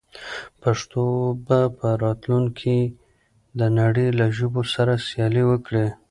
پښتو به په راتلونکي کې د نړۍ له ژبو سره سیالي وکړي.